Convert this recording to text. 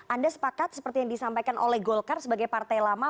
anda sepakat seperti yang disampaikan oleh golkar sebagai partai lama